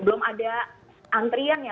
belum ada antrian ya